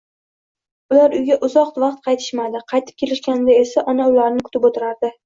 Ular uyga uzoq vaqt qaytishmadi; qaytib kelishganda esa ona ularni kutib o`tirardi